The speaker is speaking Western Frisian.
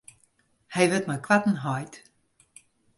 Hy wurdt mei koarten heit.